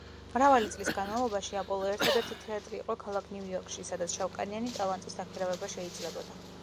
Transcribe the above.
მრავალი წლის განმავლობაში აპოლო ერთადერთი თეატრი იყო ქალაქ ნიუ-იორკში, სადაც შავკანიანი ტალანტის დაქირავება შეიძლებოდა.